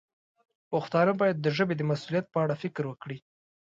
پښتانه باید د ژبې د مسوولیت په اړه فکر وکړي.